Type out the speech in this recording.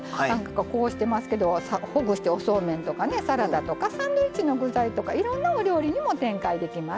こうしてますけどほぐしておそうめんとかサラダとかサンドイッチの具材とかいろんなお料理にも展開できます。